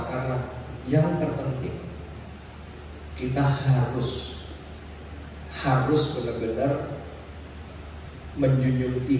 karena yang terpenting kita harus harus benar benar menyunjung tinggi dan melindungi nilai nilai kemanusiaan